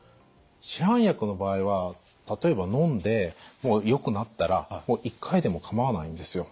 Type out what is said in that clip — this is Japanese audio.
市販薬の場合は例えばのんでよくなったら１回でもかまわないんですよ。